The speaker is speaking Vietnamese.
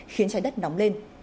khiến trái đất nóng lên